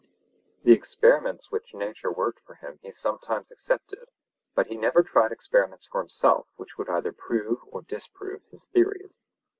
The experiments which nature worked for him he sometimes accepted, but he never tried experiments for himself which would either prove or disprove his theories.